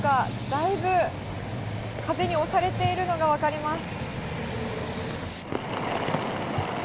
だいぶ風に押されているのが分かります。